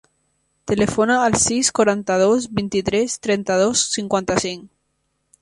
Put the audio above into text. Telefona al sis, quaranta-dos, vint-i-tres, trenta-dos, cinquanta-cinc.